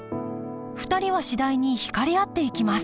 ２人は次第に引かれ合っていきます